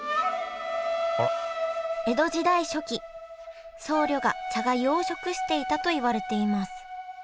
江戸時代初期僧侶が茶がゆを食していたといわれています